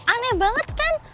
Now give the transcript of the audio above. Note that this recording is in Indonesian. aneh banget kan